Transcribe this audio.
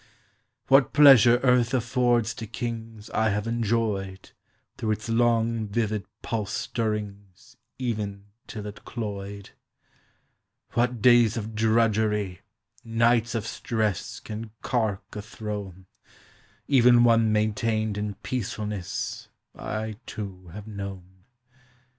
What pleasure earth affords to kings I have enjoyed Through its long vivid pulse stirrings Even till it cloyed. What days of drudgery, nights of stress Can cark a throne, Even one maintained in peacefulness, I too have known.